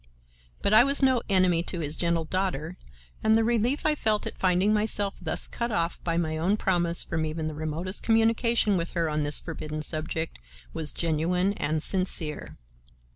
But I was no enemy to his gentle daughter and the relief I felt at finding myself thus cut off by my own promise from even the remotest communication with her on this forbidden subject was genuine and sincere.